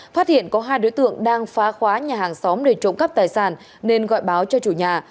phát hiện có hai đối tượng đang phá khóa nhà hàng xóm để trộm cắp tài sản nên gọi báo cho chủ nhà